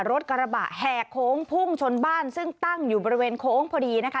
รถกระบะแห่โค้งพุ่งชนบ้านซึ่งตั้งอยู่บริเวณโค้งพอดีนะคะ